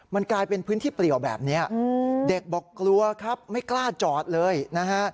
มันกลายเป็นพื้นที่เปลี่ยวแบบนี้เด็กบอกกลัวครับไม่กล้าจอดเลยนะฮะ